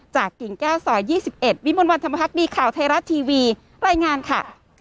กิ่งแก้วซอย๒๑วิมวลวันธรรมพักดีข่าวไทยรัฐทีวีรายงานค่ะ